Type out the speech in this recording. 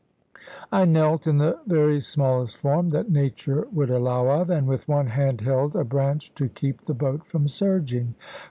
I knelt in the very smallest form that nature would allow of, and with one hand held a branch to keep the boat from surging.